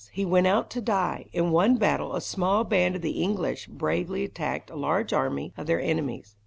he went out to die. In one battle, a small band of the English bravely attacked a large army of their enemies.